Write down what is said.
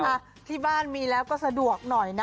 ที่บ้านมีแล้วก็สะดวกหน่อยนะ